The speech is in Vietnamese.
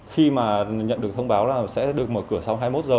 khi mà nhận được thông báo là sẽ được mở cửa sau hai mươi một h